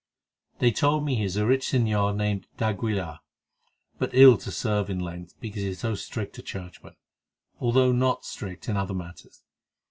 They told me he is a rich señor named d'Aguilar, but ill to serve in Lent because he is so strict a churchman, although not strict in other matters.